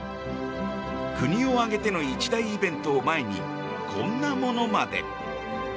国を挙げての一大イベントを前にこんなものまで。